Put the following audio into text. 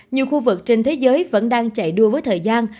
nhiều khu vực trên thế giới vẫn đang chạy đua với thời gian